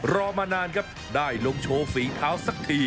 รอมานานครับได้ลงโชว์ฝีเท้าสักที